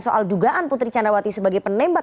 soal dugaan putri candrawati sebagai penembak